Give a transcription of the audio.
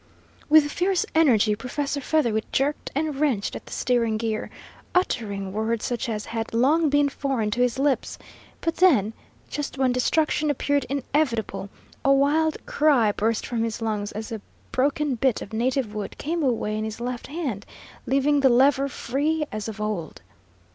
With fierce energy Professor Featherwit jerked and wrenched at the steering gear, uttering words such as had long been foreign to his lips, but then just when destruction appeared inevitable a wild cry burst from his lungs, as a broken bit of native wood came away in his left hand, leaving the lever free as of old!